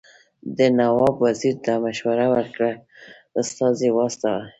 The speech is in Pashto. ده نواب وزیر ته مشوره ورکړه استازي واستوي.